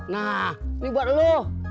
nah ini buat lo